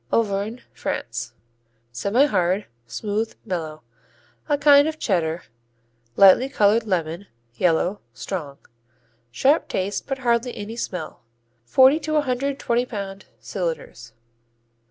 Auvergne, France Semihard; smooth; mellow; a kind of Cheddar, lightly colored lemon; yellow; strong, sharp taste but hardly any smell. Forty to a hundred twenty pound cylinders.